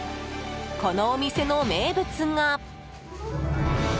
このお店の名物が。